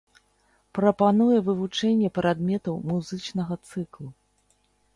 Прапануе вывучэнне прадметаў музычнага цыклу.